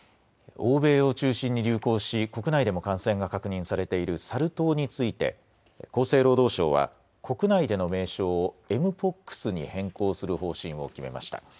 欧米を中心に流行し国内でも感染が確認されているサル痘について厚生労働省は国内での名称をエムポックスに変更する方針を決めました。